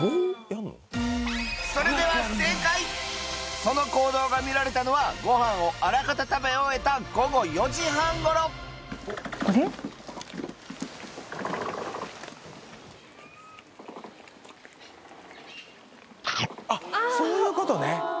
それではその行動が見られたのはごはんをあらかた食べ終えた午後４時半頃あっそういうことね。